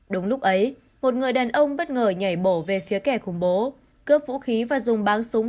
đúng lúc ấy một người đàn ông bất ngờ nhảy đổ về phía kẻ khủng bố cướp vũ khí và dùng báo súng